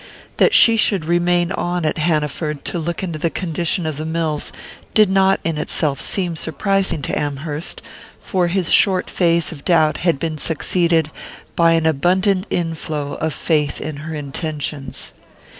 That she should remain on at Hanaford to look into the condition of the mills did not, in itself, seem surprising to Amherst; for his short phase of doubt had been succeeded by an abundant inflow of faith in her intentions.